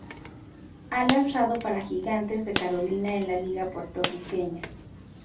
Ha lanzado para Gigantes de Carolina en la Liga Puertorriqueña.